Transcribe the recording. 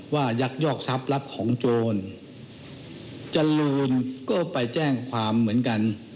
ยักยอกทรัพย์รับของโจรจรูนก็ไปแจ้งความเหมือนกัน